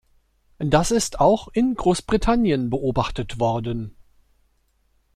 Das ist auch in Großbritannien beobachtet worden.